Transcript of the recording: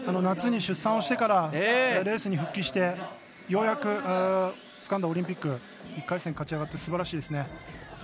夏に出産をしてからレースに復帰してようやくつかんだオリンピック１回戦、勝ち上がってすばらしいですね。